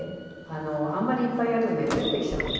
あのあんまりいっぱいやるとねずれてきちゃうの。